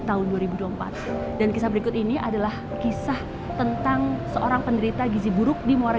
tahun dua ribu dua puluh empat dan kisah berikut ini adalah kisah tentang seorang penderita gizi buruk di muara